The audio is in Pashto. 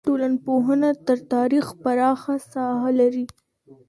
ټولنپوهنه تر تاریخ پراخه ساحه لري.